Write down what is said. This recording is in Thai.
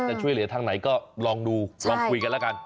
จะช่วยเหลือทางไหนก็ลองดูลองคุยกันแล้วกัน